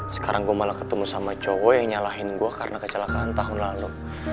sekarang gue malah ketemu sama cowok yang nyalahin gue karena kecelakaan tahun lalu